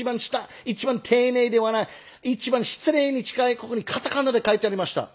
一番丁寧ではない一番失礼に近いここに片仮名で書いてありました。